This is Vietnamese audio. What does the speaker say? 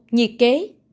một nhiệt kế